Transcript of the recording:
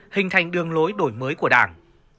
đường lối đổi mới của đảng